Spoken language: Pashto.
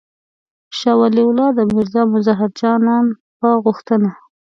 شاه ولي الله صاحب د میرزا مظهر جان جانان په غوښتنه.